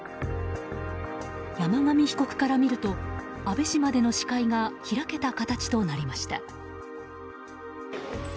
山上被告から見ると安倍氏までの視界が開けた形となりました。